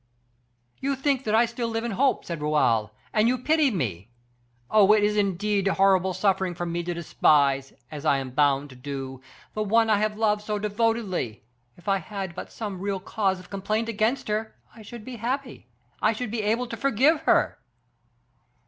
"You think that I still live in hope," said Raoul, "and you pity me. Oh, it is indeed horrible suffering for me to despise, as I am bound to do, the one I have loved so devotedly. If I had but some real cause of complaint against her, I should be happy, I should be able to forgive her."